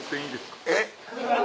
えっ？